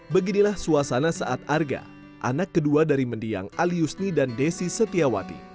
beginilah suasana saat arga anak kedua dari mendiang aliusni dan desi setiawati